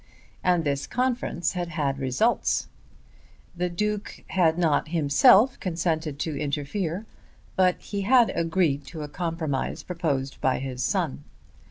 And this conference had had results. The Duke had not himself consented to interfere, but he had agreed to a compromise proposed by his son.